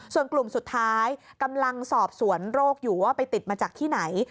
ส่วนกลุ่มสุดท้ายกำลังสอบสวนโรคอยู่ว่าไปติดมาจากที่ไหน